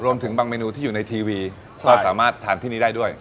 รวมถึงบางเมนูที่อยู่ในทีวีก็สามารถทานที่นี่ได้ด้วย